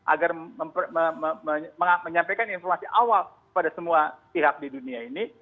agar menyampaikan informasi awal kepada semua pihak di dunia ini